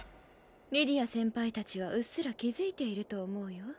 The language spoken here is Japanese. リディア先輩達はうっすら気づいていると思うよ